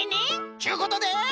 ちゅうことで。